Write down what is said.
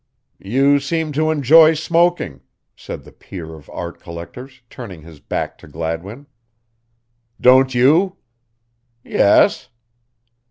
"You seem to enjoy smoking," said the peer of art collectors, turning his back to Gladwin. "Don't you?" "Yes."